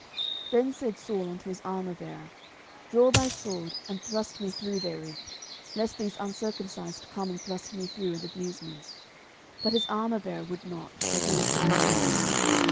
09:031:004 Then said Saul unto his armourbearer, Draw thy sword, and thrust me through therewith; lest these uncircumcised come and thrust me through, and abuse me. But his armourbearer would not; for he was sore afraid.